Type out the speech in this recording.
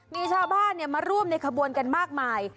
มีชาวบ้านมาร่วมในขบวนกันมากมาย